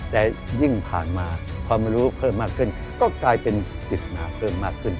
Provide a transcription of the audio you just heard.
แต่ยิ่งผ่านมาความรู้เพิ่มมากขึ้นก็กลายเป็นปริศนาเพิ่มมากขึ้น